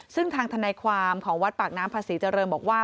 ซึ่งทางทนายความของวัดปากน้ำภาษีเจริญบอกว่า